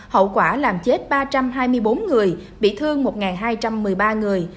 hậu quả làm chết ba trăm hai mươi bốn người bị thương một hai trăm một mươi ba người